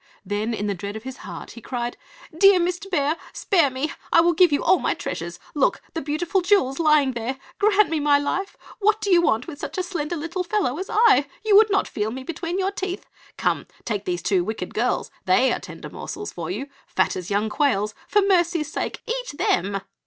Then in the dread of his heart he cried, "Dear Mr. Bear, spare me, I will give you all my treasures; look, the beautiful jewels lying there! Grant me my life; what do you want with such a slender little fellow as I? you would not feel me between your teeth. Come, take these two wicked girls, they are tender morsels for you, fat as young quails; for mercy's sake eat them!"